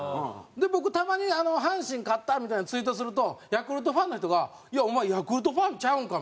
で僕たまに「阪神勝った！」みたいなツイートするとヤクルトファンの人が「お前ヤクルトファンちゃうんか？」